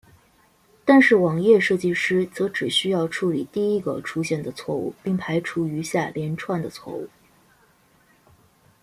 但是网页设计师则只需要处理第一个出现的错误并排除余下连串的错误。